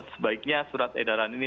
sebaiknya surat edaran ini